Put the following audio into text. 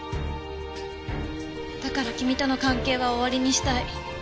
だから君との関係は終わりにしたい。